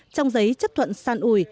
trong giấy chấp thuận săn ủi